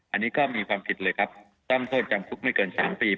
อันนี้ก็มีความผิดเลยครับต้องโทษจำคุกไม่เกิน๓ปี